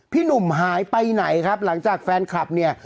พี่หนุ่มหายไปไหนครับหลังจากแฟนคลับเนี่ย